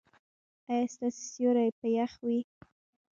ایا ستاسو سیوري به يخ وي؟